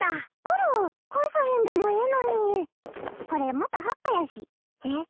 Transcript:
あらっ返さへんでもええのにこれ元葉っぱやしえっ？